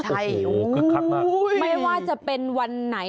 ใช่โอ้โฮคึกคักมากโอ้โฮไม่ว่าจะเป็นวันไหน